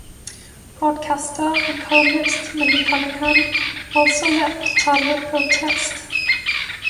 Broadcaster and columnist Maggie Cunningham also left the title in protest.